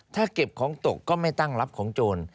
ถ้าเก็บของตกก็ไม่ตั้งรับของโจร